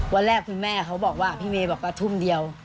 วันแรกคุณแม่เขาบอกว่าพี่เมย์บอกว่าทุ่มเดียว